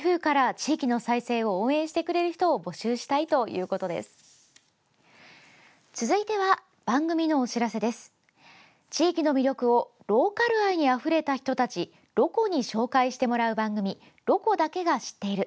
地域の魅力をローカル愛にあふれた人達ロコに紹介してもらう番組「ロコだけが知っている」。